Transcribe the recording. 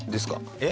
えっ？